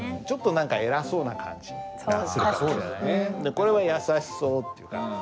これは優しそうっていうか。